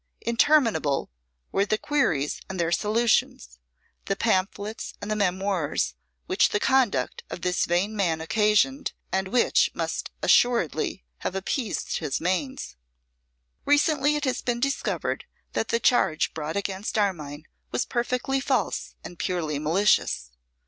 Interminable were the queries and their solutions, the pamphlets and the memoirs, which the conduct of this vain man occasioned, and which must assuredly have appeased his manes. Recently it has been discovered that the charge brought against Armine was perfectly false and purely malicious.